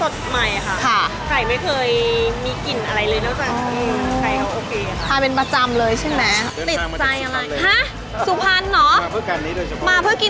ก็เค้าสดใหม่ค่ะ